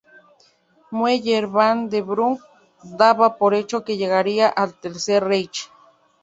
Moeller van den Bruck daba por hecho que llegaría el "Tercer Reich".